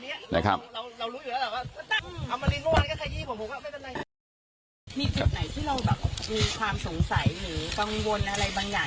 มีจุดไหนที่เราแบบมีความสงสัยหรือปังวลอะไรบางอย่าง